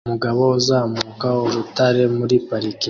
Umugabo uzamuka urutare muri parike